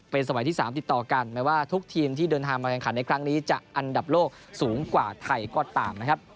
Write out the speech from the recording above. เป็นสมัยที่๓ติดต่อกันแม้ว่าทุกทีมที่เดินทางมาแข่งขันในครั้งนี้จะอันดับโลกสูงกว่าไทยก็ตามนะครับ